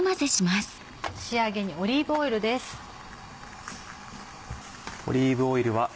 仕上げにオリーブオイルです。